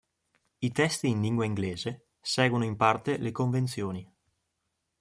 I testi in lingua inglese seguono in parte le convenzioni